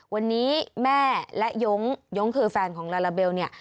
วันนี้แม่และยงย้งคือแฟนของลาลาเบลเนี่ย